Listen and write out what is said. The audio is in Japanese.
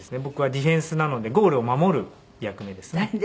僕はディフェンスなのでゴールを守る役目ですね。